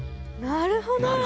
なるほど！